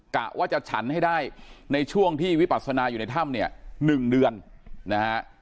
กะว่าจะฉันให้ได้ในช่วงที่วิปัสนาอยู่ในถ้ำเนี่ย๑เดือนนะฮะ